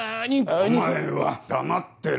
お前は黙ってろ。